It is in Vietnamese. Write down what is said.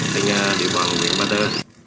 trên địa bàn huyện ba tơ